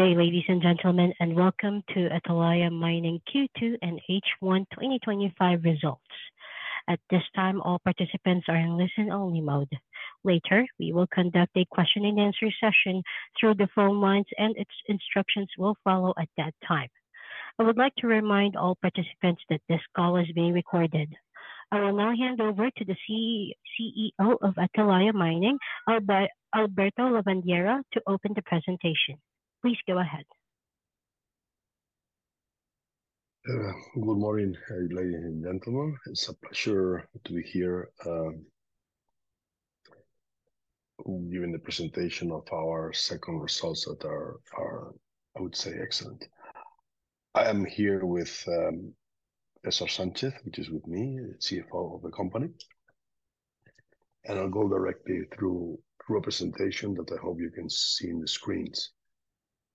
Good day, ladies and gentlemen, and welcome to Atalaya Mining Q2 and H1 2025 results. At this time, all participants are in listen-only mode. Later, we will conduct a question-and-answer session through the phone lines, and its instructions will follow at that time. I would like to remind all participants that this call is being recorded. I will now hand over to the CEO of Atalaya Mining, Alberto Lavandeira, to open the presentation. Please go ahead. Good morning, ladies and gentlemen. It's a pleasure to be here, giving the presentation of our second results that are, I would say, excellent. I am here with Pesar Sanchez, who is with me, the CFO of the company. I'll go directly through a presentation that I hope you can see on the screens.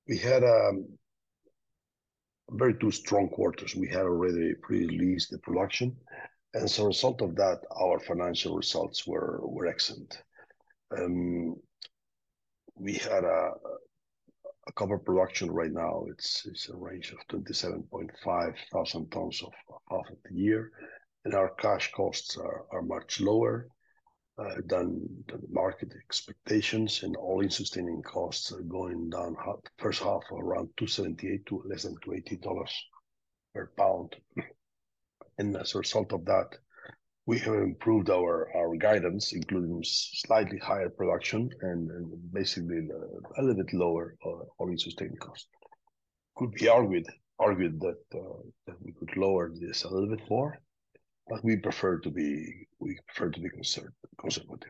We had two very strong quarters. We had already pre-released the production. As a result of that, our financial results were excellent. We had a copper production right now. It's a range of 27.5 thousand tons for half of the year. Our cash costs are much lower than the market expectations, and all-in sustaining costs are going down. The first half was around $2.78 to less than $2.80 per pound. As a result of that, we have improved our guidance, including slightly higher production and basically a little bit lower all-in sustaining cost. It could be argued that we could lower this a little bit more, but we prefer to be conservative.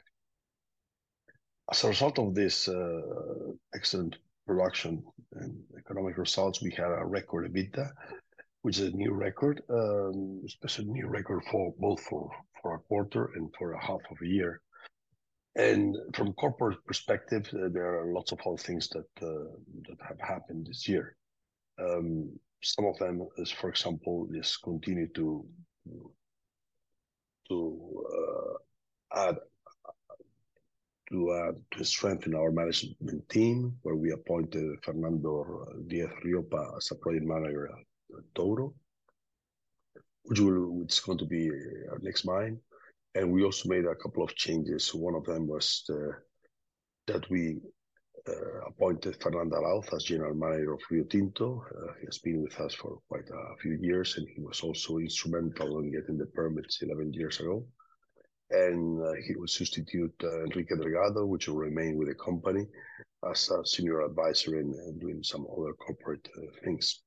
As a result of this excellent production and economic results, we had a record EBITDA, which is a new record. It's a new record for both a quarter and for half of a year. From a corporate perspective, there are lots of other things that have happened this year. Some of them, for example, continue to add to strengthen our management team where we appointed Fernando Díaz-Riopa as Project Manager at Toro, which is going to be a mixed mine. We also made a couple of changes. One of them was that we appointed Fernando Louth as General Manager of Rio Tinto. He has been with us for quite a few years, and he was also instrumental in getting the permits 11 years ago. He was substituting Enrique Dorado, who will remain with the company as a Senior Advisor and doing some other corporate things.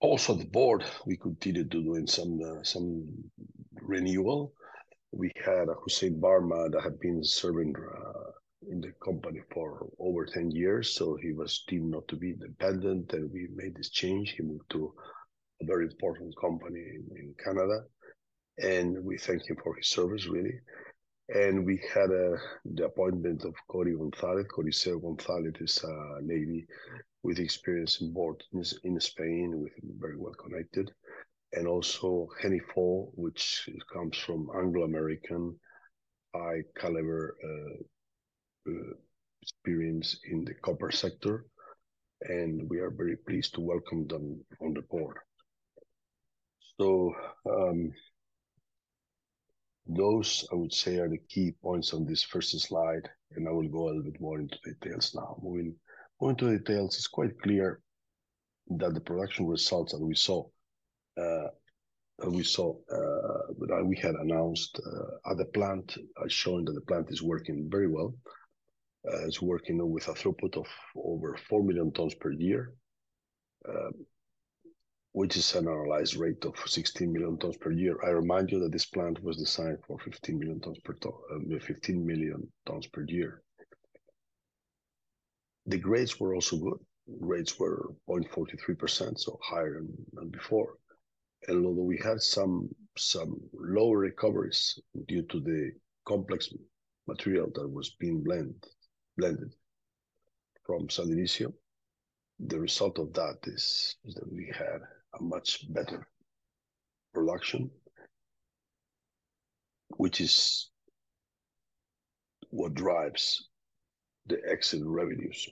Also, the board, we continued to do some renewal. We had Hussein Barma that had been serving in the company for over 10 years. He was deemed not to be independent, and we made this change. He moved to a very important company in Canada. We thank him for his service, really. We had the appointment of Corie Gonzalez. Corie Gonzalez. is a lady with experience in boards in Spain, very well connected. Also, Hennie Fo, who comes from Anglo-American, high-caliber experience in the copper sector. We are very pleased to welcome them on the board. Those, I would say, are the key points on this first slide. I will go a little bit more into the details now. Moving to the details, it's quite clear that the production results that we saw, we had announced at the plant, showing that the plant is working very well. It's working with a throughput of over 4 million tons per year, which is an annualized rate of 16 million tons per year. I remind you that this plant was designed for 15 million tons per year. The grades were also good. Grades were 0.43%, so higher than before. Although we had some lower recoveries due to the complex material that was being blended from San Luis, the result of that is that we had a much better production, which is what drives the exit revenues.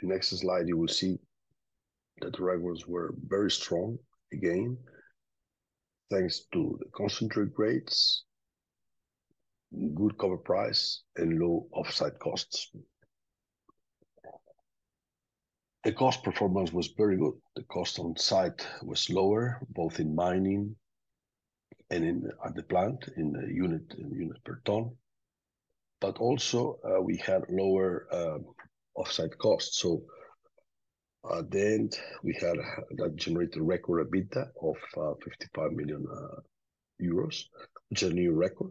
In the next slide, you will see that the records were very strong again, thanks to the concentrate rates, good copper price, and low offsite costs. The cost performance was very good. The cost on site was lower, both in mining and at the plant, in the unit per ton. We also had lower offsite costs. At the end, that generated a record EBITDA of 55 million euros, a new record.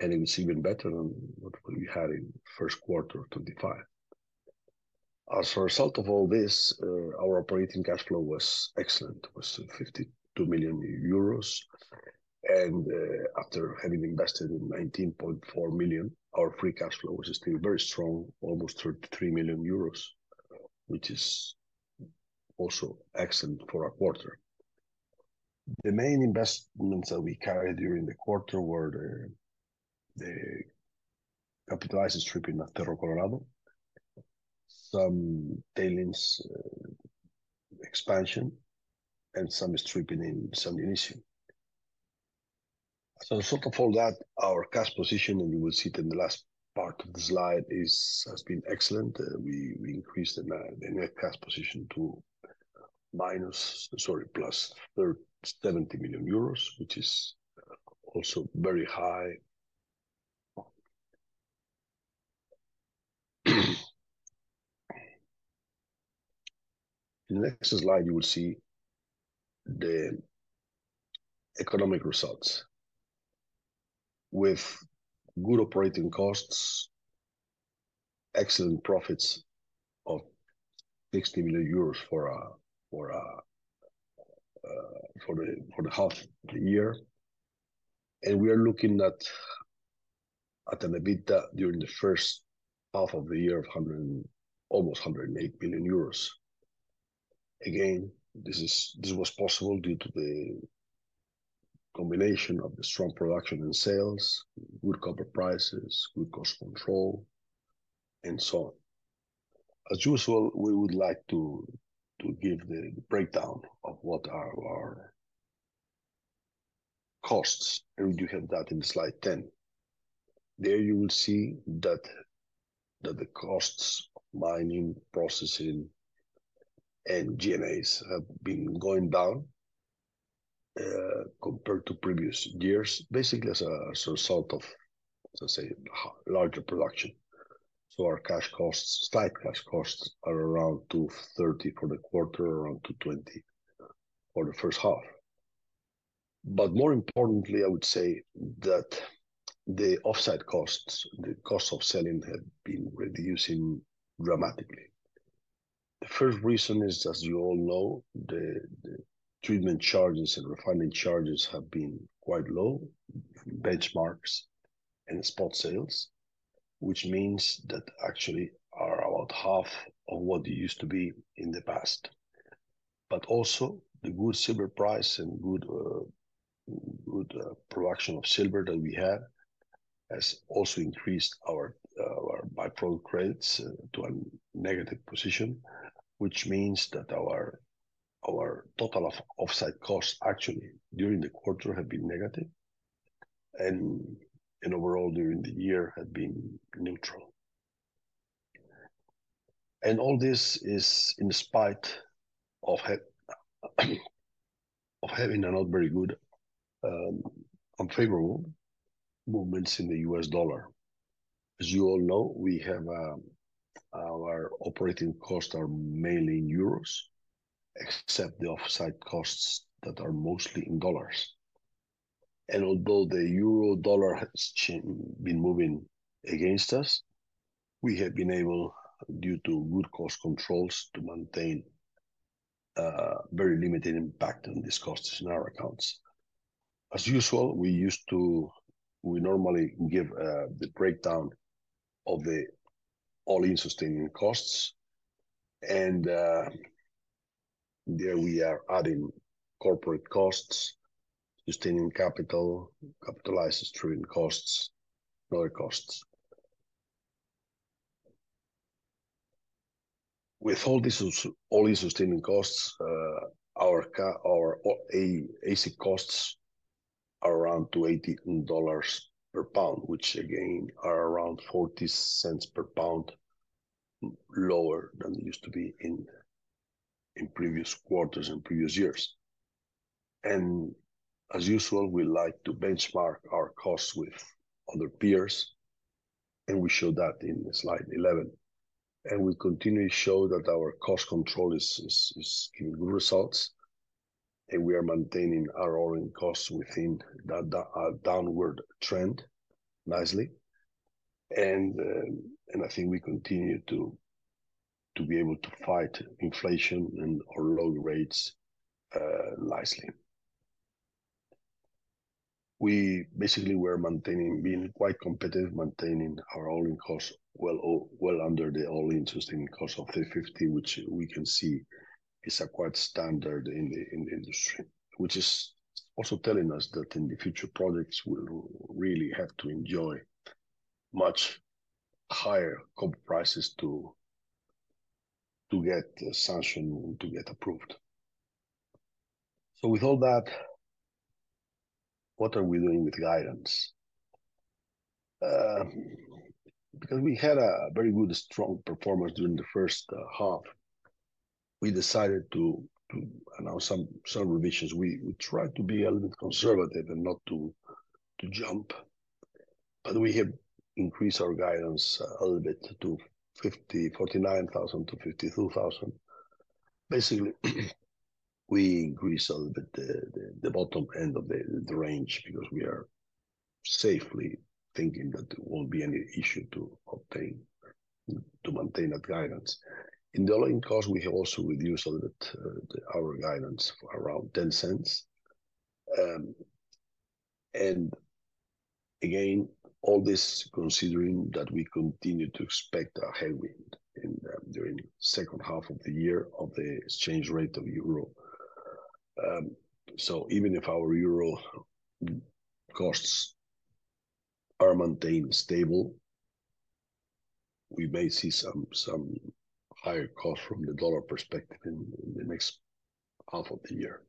It was even better than what we had in the first quarter of 2025. As a result of all this, our operating cash flow was excellent. It was 52 million euros. After having invested 19.4 million, our free cash flow was still very strong, almost 33 million euros, which is also excellent for a quarter. The main investments that we carried during the quarter were the capitalized stripping at Cerro Colorado, some tailings expansion, and some stripping in some. As a result of all that, our cash position, and you will see it in the last part of the slide, has been excellent. We increased the net cash position to plus 70 million euros, which is also very high. In the next slide, you will see the economic results with good operating costs, excellent profits of 60 million euros for the half of the year. We are looking at an EBITDA during the first half of the year 100 and almost 108 million euros. This was possible due to the combination of the strong production and sales, good copper prices, good cost control, and so on. As usual, we would like to give the breakdown of what are our costs, and we do have that in slide 10. There, you will see that the costs, mining, processing, and G&As have been going down compared to previous years, basically as a result of, let's say, larger production. Our cash costs, site cash costs, are around $2.30 for the quarter, around $2.20 for the first half. More importantly, I would say that the offsite costs, the cost of selling, have been reducing dramatically. The first reason is, as you all know, the treatment charges and refining charges have been quite low from benchmarks and spot sales, which means that actually are about half of what it used to be in the past. Also, the good silver price and good production of silver that we had has also increased our by-product credits to a negative position, which means that our total offsite costs actually during the quarter have been negative. Overall, during the year, have been neutral. All this is in spite of having a not very good, unfavorable movements in the U.S. dollar. As you all know, we have our operating costs mainly in euros, except the offsite costs that are mostly in dollars. Although the euro/dollar has been moving against us, we have been able, due to good cost controls, to maintain a very limited impact on these costs in our accounts. As usual, we normally give the breakdown of the all-in sustaining costs. There, we are adding corporate costs, sustaining capital, capitalized stripping costs, and other costs. With all these all-in sustaining costs, our AC costs are around $280 per pound, which again are around $0.40 per pound lower than it used to be in previous quarters and previous years. As usual, we like to benchmark our costs with other peers, and we show that in slide 11. We continue to show that our cost control is giving good results. We are maintaining our all-in costs within that downward trend nicely. I think we continue to be able to fight inflation and low rates nicely. We basically were maintaining being quite competitive, maintaining our all-in costs well under the all-in sustaining costs of $3.50 which we can see is quite standard in the industry, which is also telling us that in the future projects, we'll really have to enjoy much higher copper prices to get sanctioned and to get approved. With all that, what are we doing with guidance? Because we had a very good, strong performance during the first half, we decided to, and now some revisions, we tried to be a little bit conservative and not to jump. We have increased our guidance a little bit to 49,000-52,000. Basically, we increased a little bit the bottom end of the range because we are safely thinking that there won't be any issue to maintain that guidance. In the all-in cost, we have also reduced a little bit our guidance for around $0.10. All this considering that we continue to expect a heavy during the second half of the year of the exchange rate of euro. Even if our euro costs are maintained stable, we may see some higher costs from the dollar perspective in the next half of the year.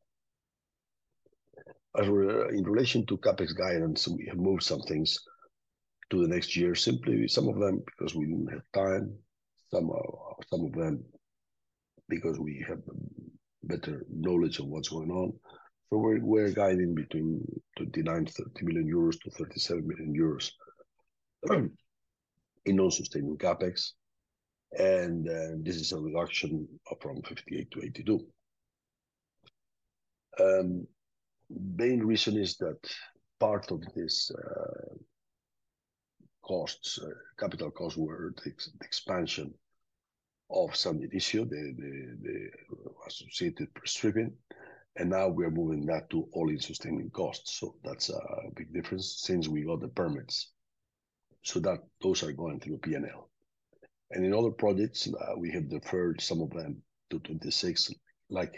In relation to CapEx guidance, we have moved some things to the next year, simply some of them because we won't have time, some of them because we have better knowledge of what's going on. We're guiding between 29 million-37 million euros in non-sustainable CapEx. This is a reduction from 58 million-82 million. The main reason is that part of this cost, capital cost, were the expansion of San Luis, the associated prescription. Now we are moving that to all-in sustaining costs. That's a big difference since we got the permits. Those are going through P&L. In other projects, we have deferred some of them to 2026, like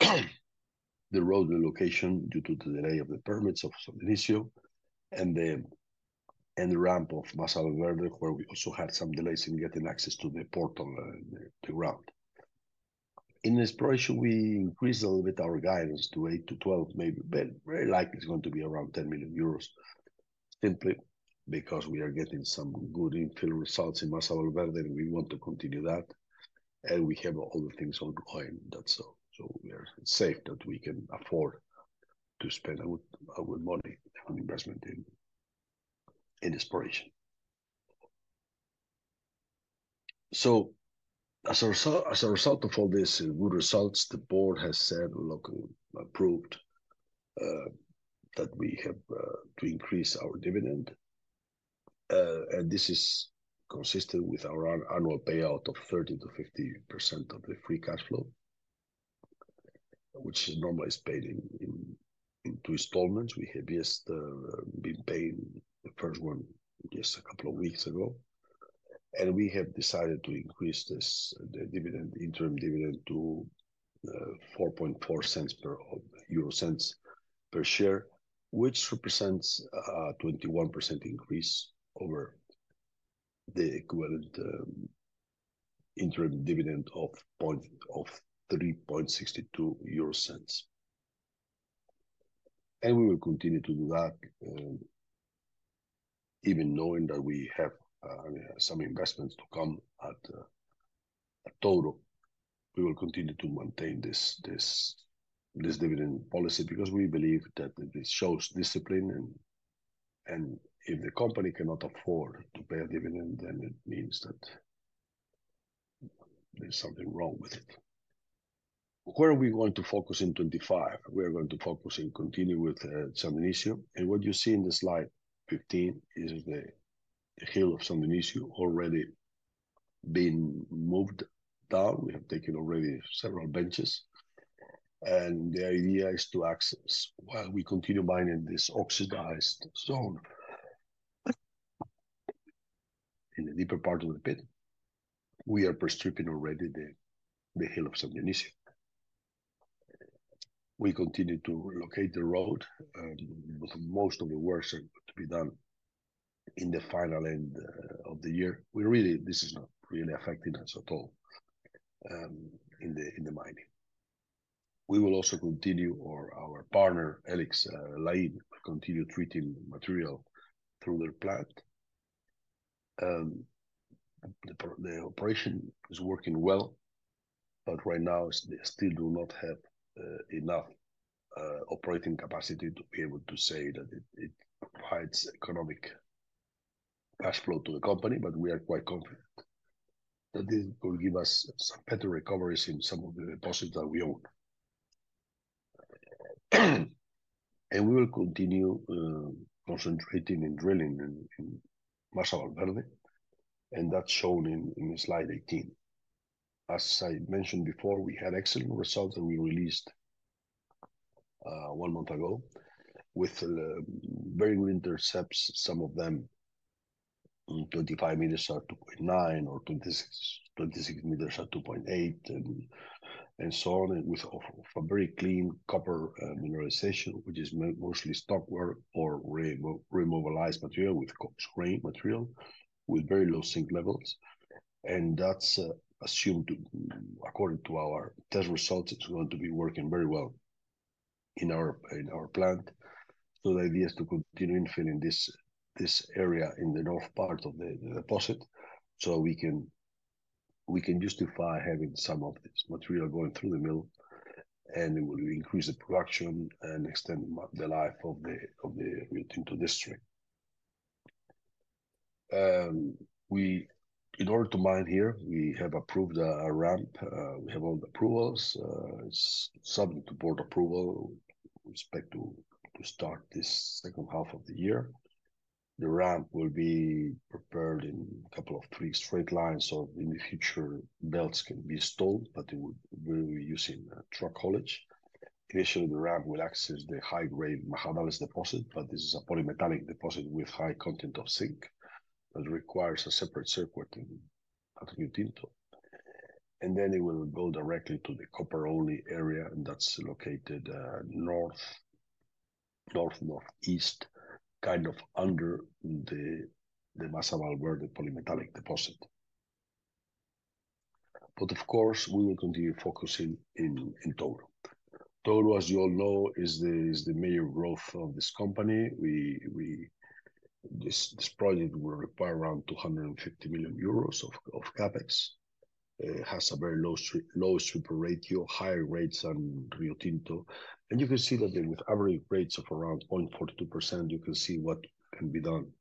the road relocation due to the delay of the permits of San Venancio and the ramp of Massawa, where we also had some delays in getting access to the portal and the ground. In the exploration, we increased a little bit our guidance to 8 million-12 million, maybe better. Very likely it's going to be around 10 million euros simply because we are getting some good infill results in Massawa and we want to continue that. We have other things ongoing that we are safe that we can afford to spend our money in the exploration. As a result of all these good results, the board has said and approved that we have to increase our dividend. This is consistent with our annual payout of 30%-50% of the free cash flow, which is normally paid in two installments. We have just been paid the first one just a couple of weeks ago. We have decided to increase the interim dividend to 0.044 per share, which represents a 21% increase over the equivalent interim dividend of 0.0362. We will continue to do that even knowing that we have some investments to come at Toro. We will continue to maintain this dividend policy because we believe that this shows discipline. If the company cannot afford to pay a dividend, then it means that there's something wrong with it. What are we going to focus in 2025? We are going to focus and continue with San Luis. What you see in the slide 15 is the hill of some San Luis Obispo already being moved down. We have taken already several benches. The idea is to access while we continue mining this oxidized zone in the deeper part of the pit. We are prescripting already the hill of San Luis. We continue to relocate the road. Most of the work will be done in the final end of the year. This is not really affecting us at all in the mining. We will also continue, or our partner, Alex, Lane, continue treating material through their plant. The operation is working well, but right now, they still do not have enough operating capacity to be able to say that it provides economic cash flow to the company. We are quite confident that this will give us some better recoveries in some of the deposits that we own. We will continue concentrating and drilling in Marshall Valverde, and that's shown in slide 18. As I mentioned before, we had excellent results that we released one month ago with very good intercepts, some of them on 25 meters at 2.9 or 26 meters at 2.8, and so on, and with a very clean copper mineralization, which is mostly stockwork or remobilized material with grain material with very low zinc levels. That's assumed according to our test results. It's going to be working very well in our plant. The idea is to continue infilling this area in the north part of the deposit so we can justify having some of the material going through the middle. It will increase the production and extend the life of the Tinto district. In order to mine here, we have approved a ramp. We have all the approvals. It's subject to board approval with respect to start this second half of the year. The ramp will be prepared in a couple of three straight lines so in the future, belts can be installed, but it will be using truck haulage. Initially, the ramp will access the high-grade deposit, but this is a polymetallic deposit with high content of zinc that requires a separate circuit at Tinto. It will go directly to the copper-only area, and that's located Northeast, kind of under the Massawa border polymetallic deposit. We will continue focusing in Togo. Toro, as you all know, is the major growth of this company. This project will require around 250 million euros of CapEx. It has a very low strip ratio, higher rates than Rio Tinto. You can see that with average rates of around 42%, you can see what can be done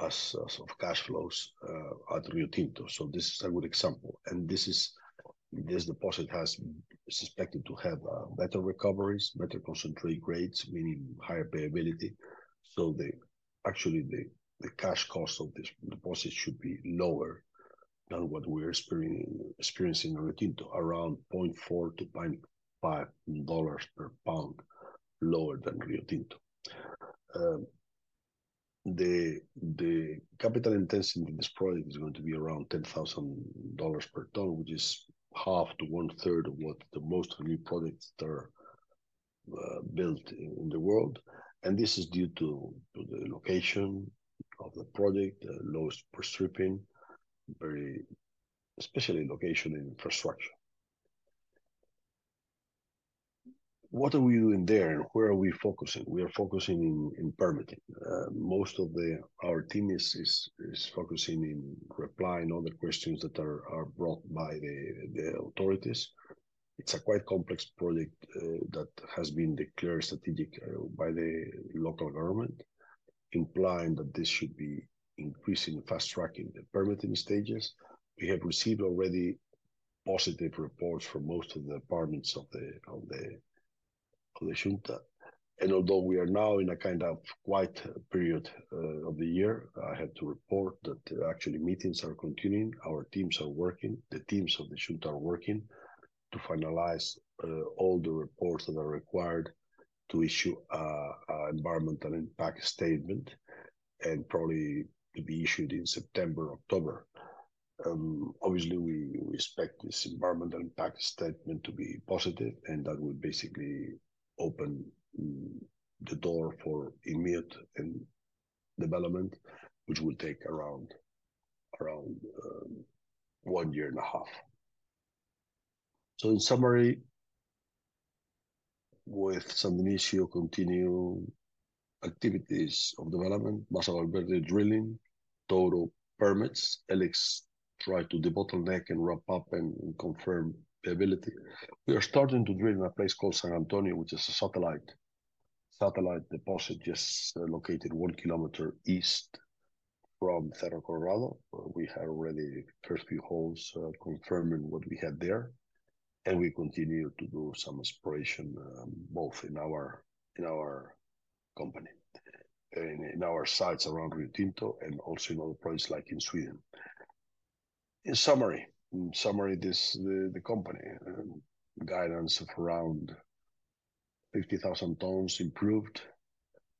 as of cash flows at Rio Tinto. This is a good example. This deposit is expected to have better recoveries, better concentrate rates, meaning higher payability. Actually, the cash cost of this deposit should be lower than what we're experiencing in Rio Tinto, around $0.40-$0.50 per pound lower than Rio Tinto. The capital intensity of this project is going to be around $10,000 per ton, which is half to one-third of what most new projects that are built in the world cost. This is due to the location of the project, the lowest prescription, especially location and infrastructure. What are we doing there and where are we focusing? We are focusing on permitting. Most of our team is focusing on replying to the questions that are brought by the authorities. It's a quite complex project that has been declared strategic by the local government, implying that this should be increasing fast tracking the permitting stages. We have received already positive reports from most of the departments of the [Xunta de]. Although we are now in a kind of quiet period of the year, I have to report that actually meetings are continuing. Our teams are working. The teams of the [Xunta de] are working to finalize all the reports that are required to issue an environmental impact statement and probably be issued in September, October. Obviously, we expect this environmental impact statement to be positive, and that will basically open the door for immediate development, which will take around one year and a half. In summary, with initial continuing activities of development, Basal Alberde drilling, total permits, Alix trying to debottleneck and wrap up and confirm the ability, we are starting to drill in a place called San Antonio, which is a satellite deposit just located one kilometer east from Cerro Corallo. We had already thirty holes confirming what we had there. We continue to do some exploration both in our company and in our sites around Rio Tinto and also in other projects like in Sweden. In summary, in this the company and guidance of around 50,000 tons improved,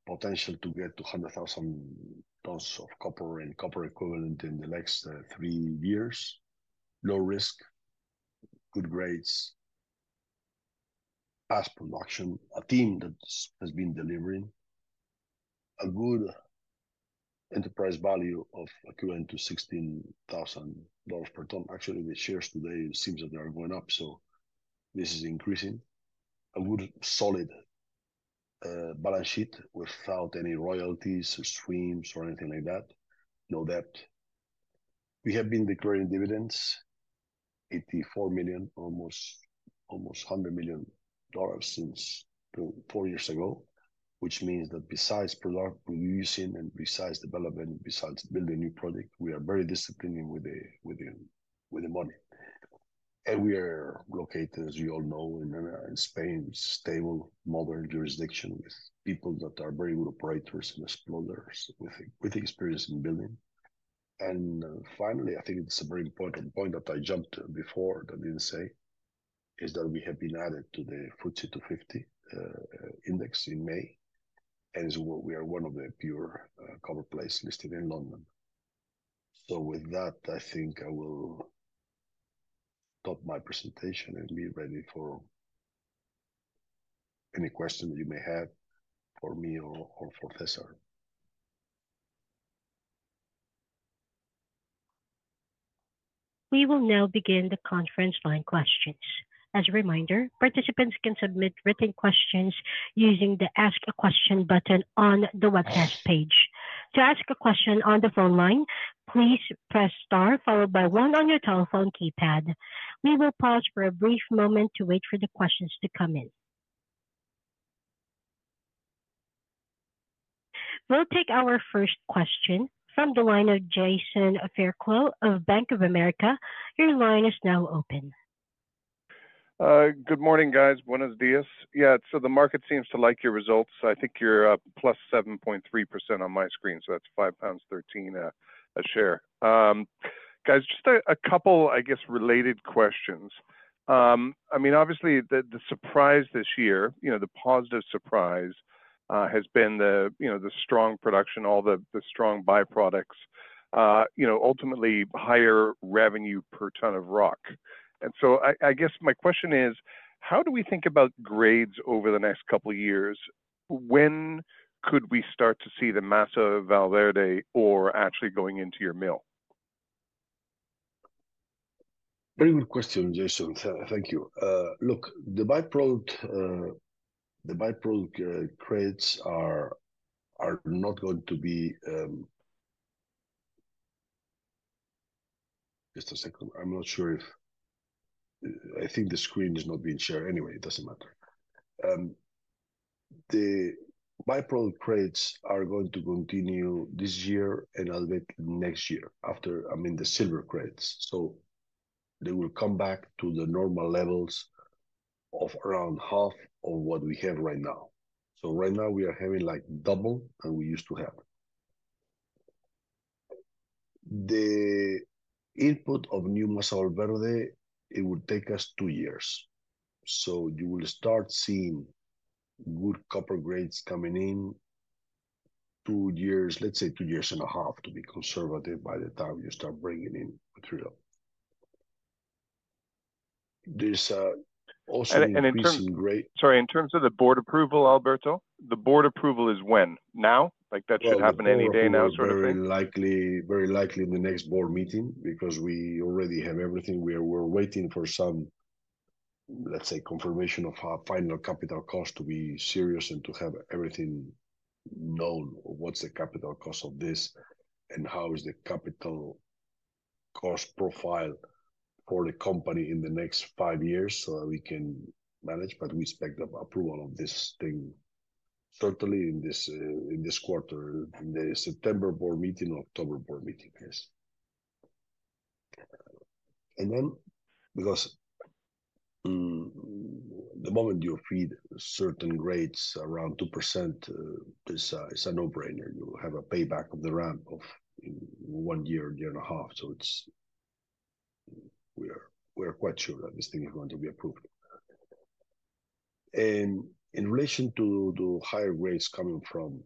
potential to get 200,000 tons of copper and copper equivalent in the next three years, low risk, good rates, fast production, a team that has been delivering, a good enterprise value of equivalent to $16,000 per ton. Actually, the shares today seem that they are going up. This is increasing. A good solid balance sheet without any royalties or streams or anything like that. No debt. We have been declaring dividends, $84 million, almost $100 million since four years ago, which means that besides producing and besides development, besides building new product, we are very disciplined with the money. We are located, as we all know, in Spain, stable, modern jurisdiction with people that are very good operators and explorers with experience in building. Finally, I think it's a very important point that I jumped before that I didn't say is that we have been added to the FTSE 250 index in May. We are one of the pure copper places listed in London. With that, I think I will stop my presentation and be ready for any questions that you may have for me or for Cesar. We will now begin the conference line questions. As a reminder, participants can submit written questions using the Ask a Question button on the webcast page. To ask a question on the phone line, please press star followed by one on your telephone keypad. We will pause for a brief moment to wait for the questions to come in. We'll take our first question from the line of Jason Fairclough of Bank of America. Your line is now open. Good morning, guys. Buenos días. The market seems to like your results. I think you're up 7.3% on my screen. That's EUR 5.13 a share. Guys, just a couple, I guess, related questions. Obviously, the surprise this year, the positive surprise has been the strong production, all the strong by-product credits, ultimately higher revenue per ton of rock. I guess my question is, how do we think about grades over the next couple of years? When could we start to see the Maca de Valverde ore actually going into your mill? Very good question, Jason. Thank you. The by-product grades are not going to be—just a second. I'm not sure if I think the screen is not being shared. Anyway, it doesn't matter. The by-product grades are going to continue this year and a little bit next year after, I mean, the silver grades. They will come back to the normal levels of around half of what we have right now. Right now, we are having like double than we used to have. The input of new Massa Alverde, it will take us two years. You will start seeing good copper grades coming in two years, let's say two years and a half to be conservative by the time you start bringing in material. This is also increasing rate. Sorry, in terms of the board approval, Alberto, the board approval is when? Now? Like that should happen any day now, sort of thing? Very likely, very likely in the next board meeting because we already have everything. We're waiting for some, let's say, confirmation of our final capital cost to be serious and to have everything known. What's the capital cost of this and how is the capital cost profile for the company in the next five years so that we can manage? We expect the approval of this thing certainly in this quarter, in the September board meeting or October board meeting, yes. The moment you feed certain grades around 2%, it's a no-brainer. You have a payback of the ramp of one year, year and a half. We are quite sure that this thing is going to be approved. In relation to the higher grades coming from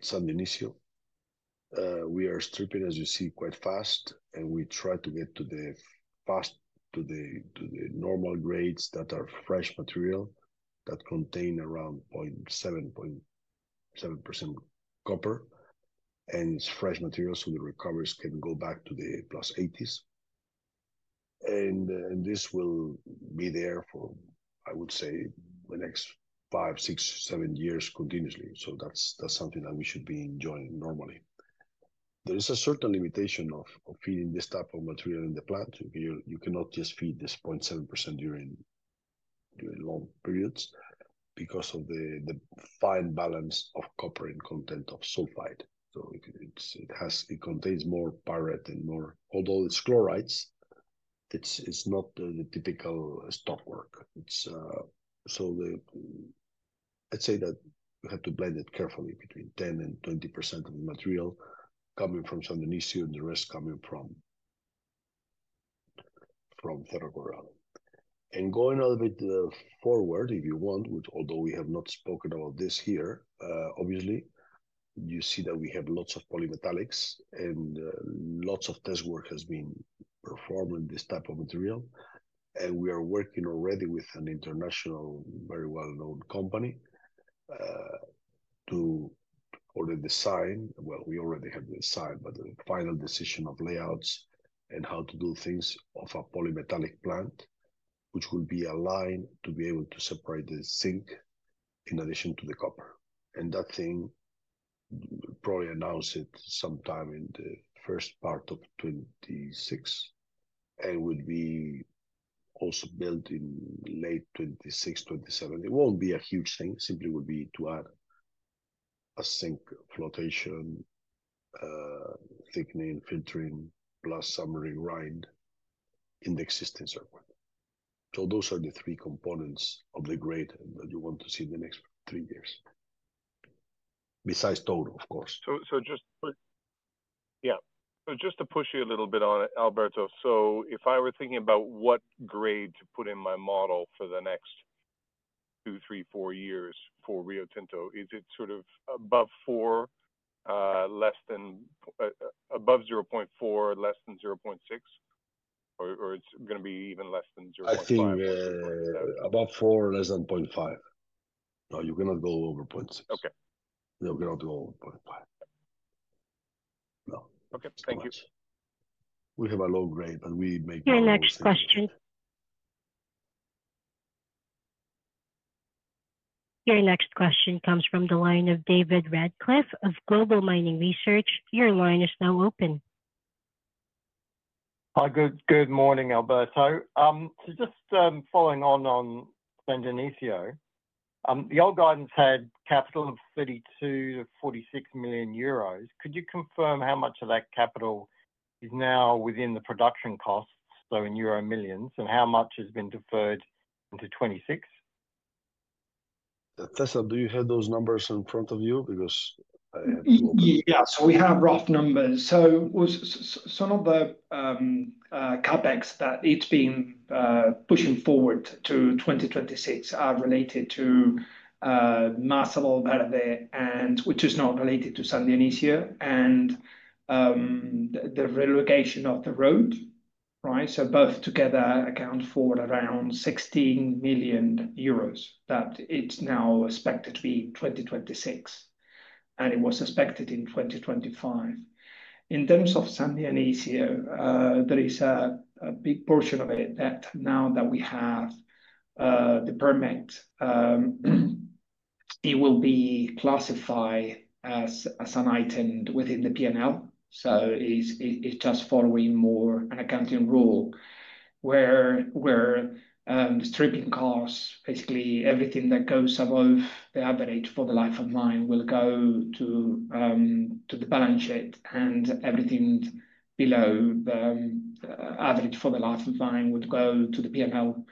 San Dionysio, we are stripping, as you see, quite fast. We try to get fast to the normal grades that are fresh material that contain around 7.7% copper. It's fresh material so the recoveries can go back to the +80s. This will be there for, I would say, the next five, six, seven years continuously. That's something that we should be enjoying normally. There is a certain limitation of feeding this type of material in the plant. You cannot just feed this 0.7% during long periods because of the fine balance of copper and content of sulfide. It contains more pyrite and more, although it's fluorides, it's not the typical stockwork. I'd say that you have to blend it carefully between 10% and 20% of the material coming from Southern Issuer, and the rest coming from Theragorella. Going a little bit forward, if you want, although we have not spoken about this here, obviously, you see that we have lots of polymetallics and lots of test work has been performed in this type of material. We are working already with an international, very well-known company to already design. We already have designed, but the final decision of layouts and how to do things of a polymetallics plant, which will be aligned to be able to separate the zinc in addition to the copper. That thing probably announced it sometime in the first part of 2026. It will be also built in late 2026, 2027. It won't be a huge thing. It simply will be to add a zinc flotation, thickening, filtering, plus summary grind in the existing server. Those are the three components of the grade that you want to see in the next three years, besides total, of course. Just to push you a little bit on it, Alberto, if I were thinking about what grade to put in my model for the next two, three, four years for Rio Tinto, is it sort of above 0.4, less than 0.6? Or is it going to be even less than 0.5? I think above 4, less than 0.5. No, you cannot go over 0.6. Okay. No, you cannot go over 0.5. Okay, thank you. We have a low grade, but we make. Your next question comes from the line of David Radclyffe of Global Mining Research. Your line is now open. Good morning, Alberto. Just following on San Inicio, the old guidance had capital of 32 million-46 million euros. Could you confirm how much of that capital is now within the production costs, in euro millions, and how much has been deferred into 2026? Cesar, do you have those numbers in front of you? Because. Yeah. We have rough numbers. Some of the CapEx that has been pushed forward to 2026 is related to Massimo, which is not related to Sandinisia, and the relocation of the road, right? Both together account for around 16 million euros that is now expected to be in 2026. It was expected in 2025. In terms of Sandianasia, there is a big portion of it that now that we have the permit, it will be classified as an item within the P&L. It is just following more an accounting rule where the stripping costs, basically, everything that goes above the average for the life of mine will go to the balance sheet, and everything below the average for the life of mine will go to the P&L.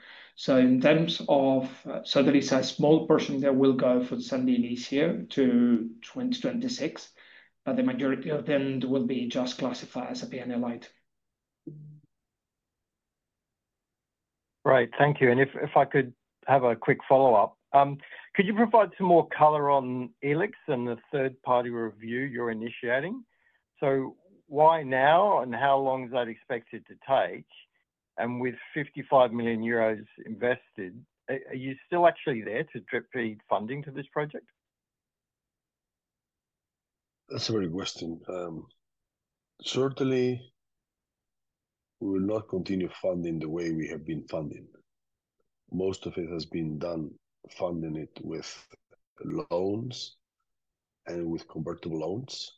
There is a small portion that will go for the Sandianasia to 2026, but the majority of them will be just classified as a P&L item. Right. Thank you. If I could have a quick follow-up, could you provide some more color on Elix and the third-party review you're initiating? Why now and how long is that expected to take? With 55 million euros invested, are you still actually there to be funding for this project? That's a very good question. Certainly, we will not continue funding the way we have been funding. Most of it has been done funding it with loans and with convertible loans.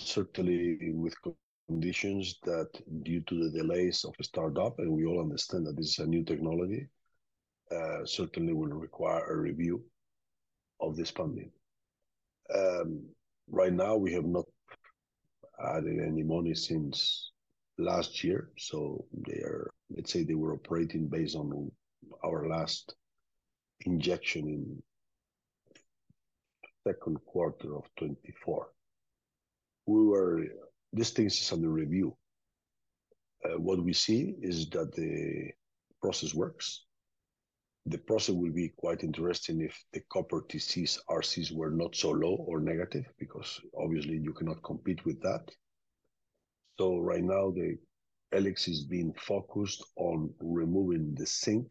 Certainly, with conditions that, due to the delays of a startup, and we all understand that this is a new technology, certainly will require a review of this funding. Right now, we have not added any money since last year. They are, let's say, operating based on our last injection in the second quarter of 2024. This thing is under review. What we see is that the process works. The process will be quite interesting if the copper TCs, RCs were not so low or negative because, obviously, you cannot compete with that. Right now, Elix is being focused on removing the zinc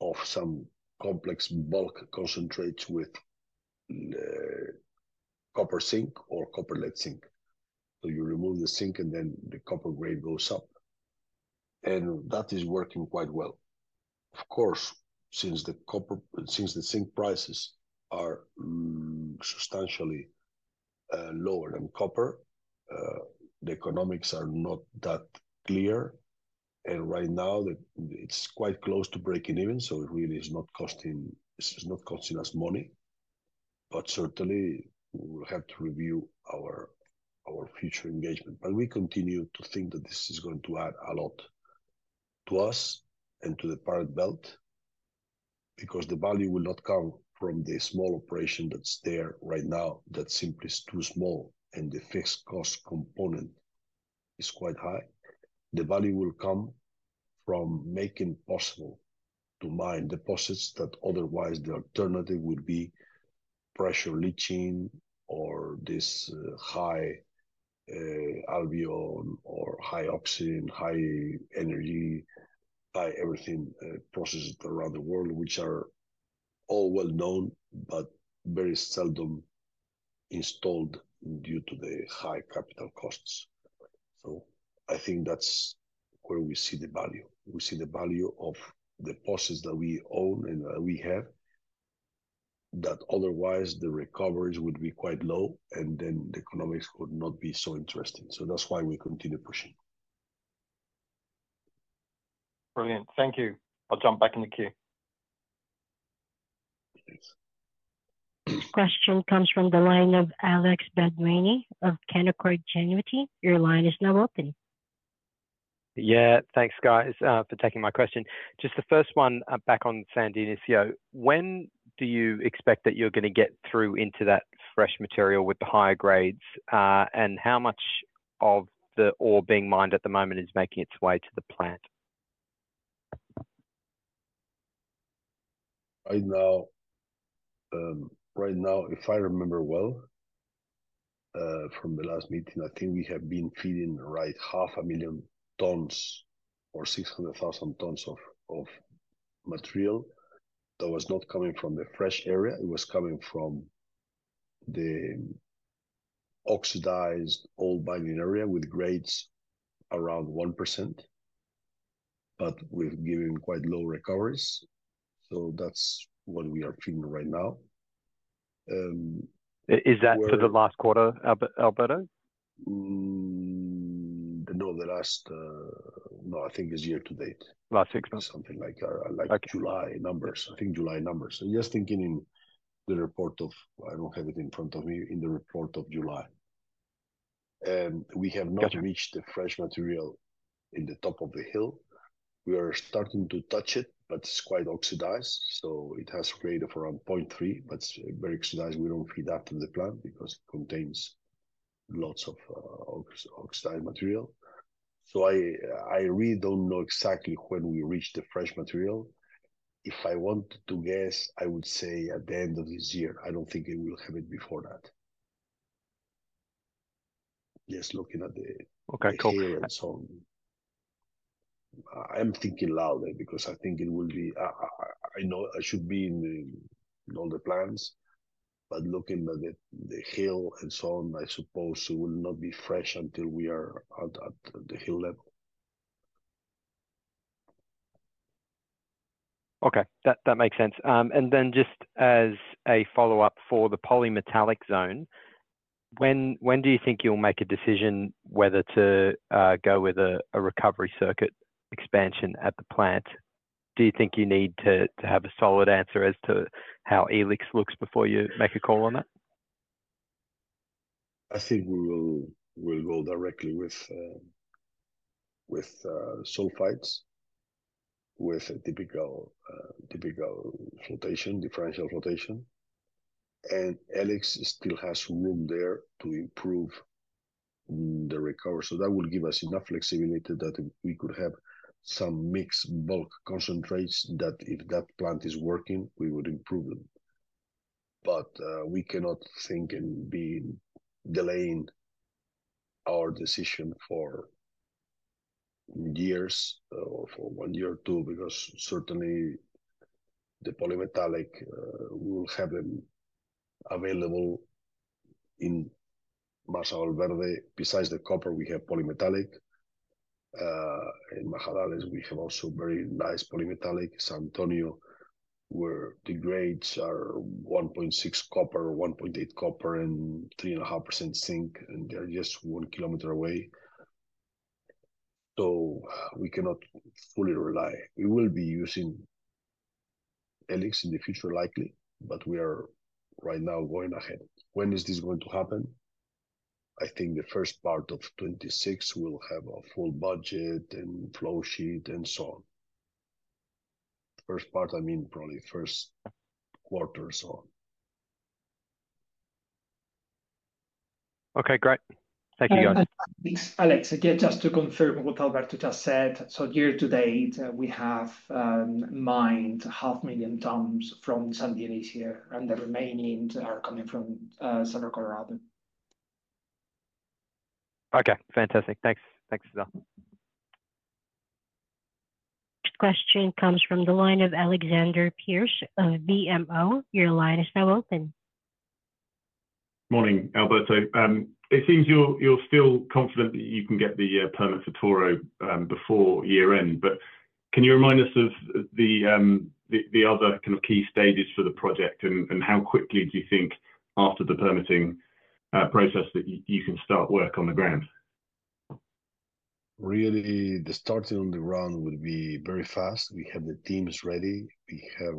of some complex bulk concentrates with copper zinc or copper-like zinc. You remove the zinc and then the copper grade goes up. That is working quite well. Of course, since the zinc prices are substantially lower than copper, the economics are not that clear. Right now, it's quite close to breaking even. It really is not costing us money. Certainly, we'll have to review our future engagement. We continue to think that this is going to add a lot to us and to the parent belt because the value will not come from the small operation that's there right now that simply is too small and the fixed cost component is quite high. The value will come from making it possible to mine deposits that otherwise the alternative would be pressure leaching or this high alveolum or high oxygen, high energy, high everything processes around the world, which are all well-known but very seldom installed due to the high capital costs. I think that's where we see the value. We see the value of the process that we own and that we have that otherwise the recoveries would be quite low and then the economics could not be so interesting. That's why we continue pushing. Brilliant. Thank you. I'll jump back in the queue. Question comes from the line of Alex Bagwini of Canaccord Genuity. Your line is now open. Yeah. Thanks, guys, for taking my question. Just the first one back on San Luis. When do you expect that you're going to get through into that fresh material with the higher grades? How much of the ore being mined at the moment is making its way to the plant? Right now, if I remember well, from the last meeting, I think we have been feeding about 0.5 million tons or 600,000 tons of material that was not coming from the fresh area. It was coming from the oxidized old mining area with grades around 1%, but we're giving quite low recoveries. That's what we are feeding right now. Is that for the last quarter, Alberto? No, I think it's year to date. Last six months. Something like July numbers. I think July numbers. I'm just thinking in the report of, I don't have it in front of me, in the report of July. We have not reached the fresh material in the top of the hill. We are starting to touch it, but it's quite oxidized. It has a grade of around 0.3, but it's very oxidized. We don't feed that to the plant because it contains lots of oxide material. I really don't know exactly when we reach the fresh material. If I wanted to guess, I would say at the end of this year. I don't think we will have it before that. Just looking at the top. I'm thinking loudly because I think it will be, I know it should be in all the plants, but looking at the hill and so on, I suppose it will not be fresh until we are at the hill level. Okay. That makes sense. Just as a follow-up for the polymetallic zone, when do you think you'll make a decision whether to go with a recovery circuit expansion at the plant? Do you think you need to have a solid answer as to how Elix looks before you make a call on that? I think we will go directly with sulfides, with a typical differential rotation. Elix still has room there to improve the recovery. That will give us enough flexibility that we could have some mixed bulk concentrates that, if that plant is working, we would improve them. We cannot think and be delaying our decision for years or for one year or two because certainly the polymetallic will have them available in Marsa Albano. Besides the copper, we have polymetallic. In Majalales, we have also very nice polymetallic. San Antonio, where the grades are 1.6% copper, 1.8% copper, and 3.5% zinc, and they're just one kilometer away. We cannot fully rely. We will be using Elix in the future, likely, but we are right now going ahead. When is this going to happen? I think the first part of 2026 we'll have a full budget and flow sheet and so on. First part, I mean, probably first quarter or so on. Okay. Great. Thank you, guys. Thanks, Alex. Again, just to confirm what Alberto just said, year to date, we have mined 0.5 million tons from San Diego, and the remaining are coming from Southern Colorado. Okay. Fantastic. Thanks. Next question comes from the line of Alexander Pierce, BMO. Your line is now open. Morning, Alberto. It seems you're still confident that you can get the permit for Toro before year-end, but can you remind us of the other kind of key stages for the project, and how quickly do you think after the permitting process that you can start work on the ground? Really, the starting on the ground will be very fast. We have the teams ready. We have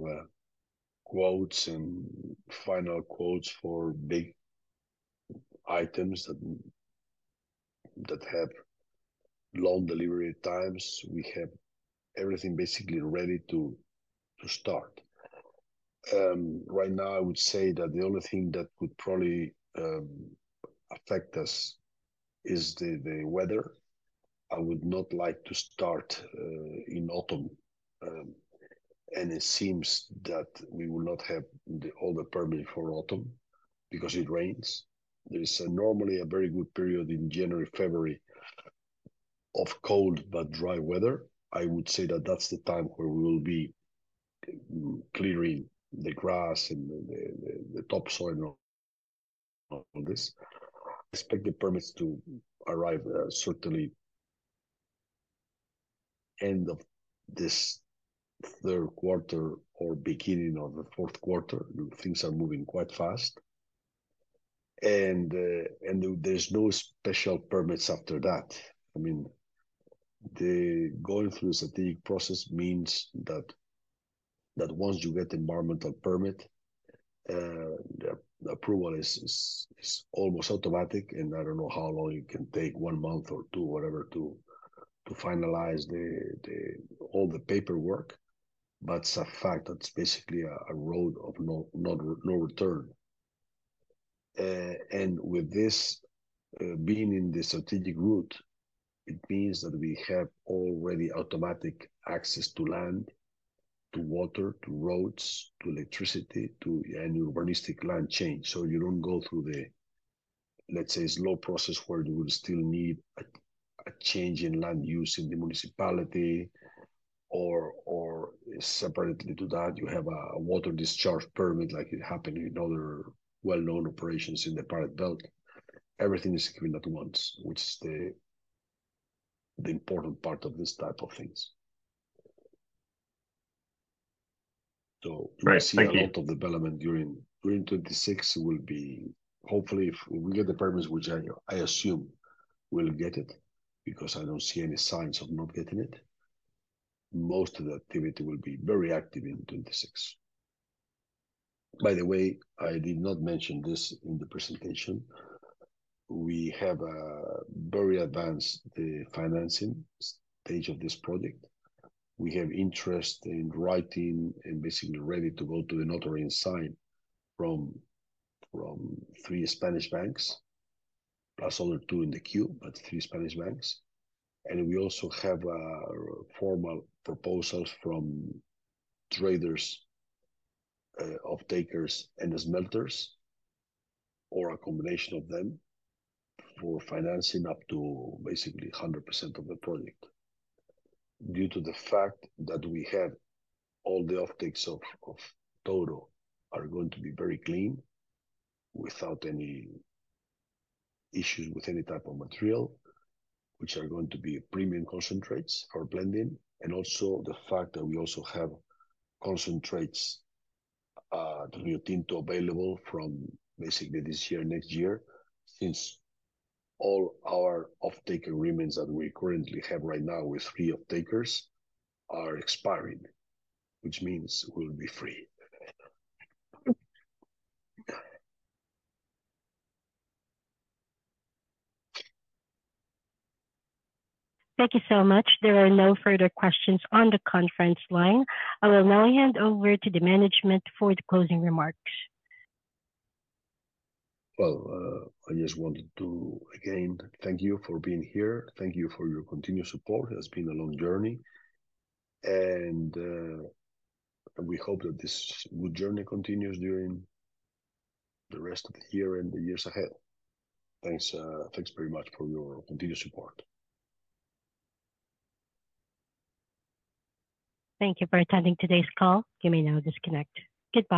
quotes and final quotes for big items that have long delivery times. We have everything basically ready to start. Right now, I would say that the only thing that would probably affect us is the weather. I would not like to start in autumn. It seems that we will not have all the permits for autumn because it rains. There is normally a very good period in January, February of cold but dry weather. I would say that that's the time where we will be clearing the grass and the topsoil and all this. Expect the permits to arrive certainly end of this third quarter or beginning of the fourth quarter. Things are moving quite fast. There's no special permits after that. I mean, going through the strategic process means that once you get the environmental permit, the approval is almost automatic. I don't know how long it can take, one month or two, whatever, to finalize all the paperwork. It's a fact that it's basically a road of no return. With this being in the strategic route, it means that we have already automatic access to land, to water, to roads, to electricity, to any urbanistic land change. You don't go through the, let's say, slow process where you will still need a change in land use in the municipality. Separately to that, you have a water discharge permit like it happened in other well-known operations in the paravel. Everything is given at once, which is the important part of this type of things. I see a lot of development during 2026. It will be hopefully, if we get the permits, which I assume we'll get it because I don't see any signs of not getting it. Most of the activity will be very active in 2026. By the way, I did not mention this in the presentation. We have a very advanced financing stage of this project. We have interest in writing and basically ready to go to the notary and sign from three Spanish banks, plus other two in the queue, but three Spanish banks. We also have a formal proposal from traders, offtakers, and smelters or a combination of them for financing up to basically 100% of the project. Due to the fact that we have all the offtakes of Toro are going to be very clean without any issues with any type of material, which are going to be premium concentrates for blending. Also, the fact that we also have concentrates to Rio Tinto available from basically this year, next year, since all our offtake agreements that we currently have right now with the offtakers are expiring, which means we'll be free. Thank you so much. There are no further questions on the conference line. I will now hand over to the management for the closing remarks. I just wanted to thank you for being here. Thank you for your continued support. It has been a long journey, and we hope that this good journey continues during the rest of the year and the years ahead. Thanks very much for your continued support. Thank you for attending today's call. You may now disconnect. Goodbye.